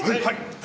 はい！